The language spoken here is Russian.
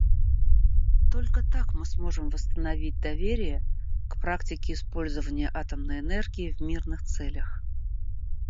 Только так мы сможем восстановить доверие к практике использования атомной энергии в мирных целях.